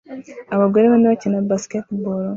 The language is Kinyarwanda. Abagabo bane bakina basketball